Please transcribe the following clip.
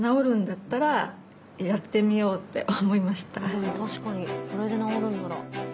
でも確かにこれで治るんなら。